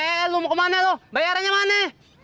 eh lu mau kemana loh bayarannya mana